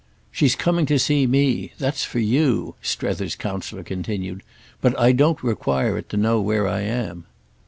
"She's coming to see me—that's for you," Strether's counsellor continued; "but I don't require it to know where I am."